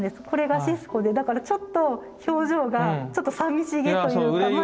これがシスコでだからちょっと表情がちょっとさみしげというか。